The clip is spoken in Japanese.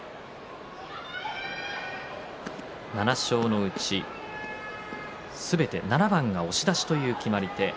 ７勝のうちすべて７番が押し出しという決まり手。